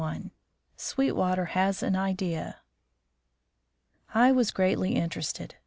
XXXI SWEETWATER HAS AN IDEA I was greatly interested.